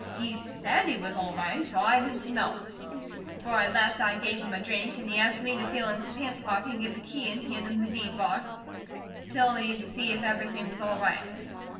He SAID he was all right, so I went to milk. Before I left I gave him a drink, an' he asked me to feel in his pants pocket an' get the key an' hand him the deed box, till he'd see if everything was right.